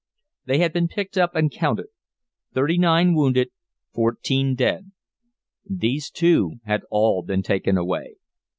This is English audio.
They had been picked up and counted. Thirty nine wounded, fourteen dead. These, too, had all been taken away.